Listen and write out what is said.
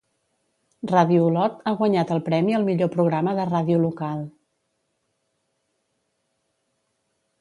Ràdio Olot ha guanyat el premi al millor programa de ràdio local.